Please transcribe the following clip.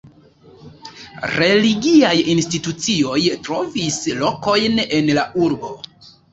Religiaj institucioj trovis lokojn en la urbo.